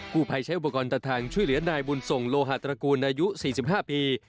ผู้ภัยใช้อุปกรณ์ตัดทางช่วยเหลือนายบุญส่งโลหาตระกูลอายุ๔๕ปี